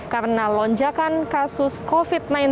karena lonjakan kasus covid sembilan belas